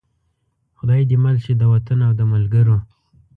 خدای دې مل شي د وطن او د ملګرو.